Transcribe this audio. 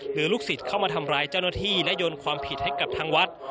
ลูกศิษย์เข้ามาทำร้ายเจ้าหน้าที่และโยนความผิดให้กับทางวัด